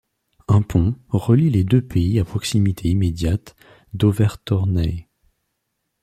Un pont relie les deux pays à proximité immédiate d'Övertorneå.